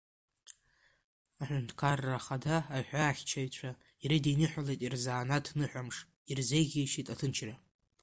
Аҳәынҭқарра Ахада аҳәаахьчаҩцәа ирыдиныҳәалеит рзанааҭтә ныҳәамш, ирзеиӷьеишьеит аҭынчра.